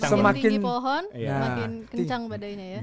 semakin kencang badainya ya